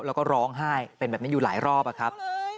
แล้วร้องไห้เป็นแบบนี้อยู่หลายรอบ